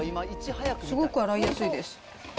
すごく洗いやすいです。